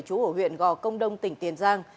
chủ ở huyện gò công đông tỉnh tiền giang